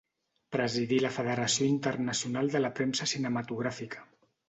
Presidí la Federació Internacional de la Premsa Cinematogràfica.